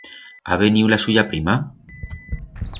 Ha veniu la suya prima?